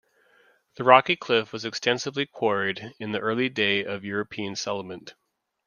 The rocky cliff was extensively quarried in the early day of European settlement.